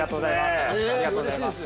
◆ありがとうございます。